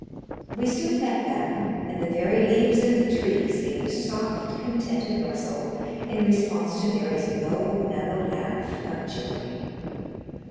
We soon met them, and the very leaves of the trees gave a soft, contented rustle in response to Mary's low, mellow laugh of joy.